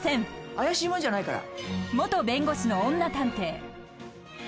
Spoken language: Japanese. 「怪しい者じゃないから」